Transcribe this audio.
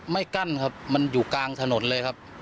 กั้นครับมันอยู่กลางถนนเลยครับ